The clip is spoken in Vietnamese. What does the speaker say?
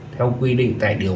theo quy định tài điều